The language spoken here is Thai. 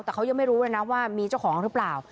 แต่เขายังไม่รู้เลยนะว่ามีเจ้าของหรือเปล่า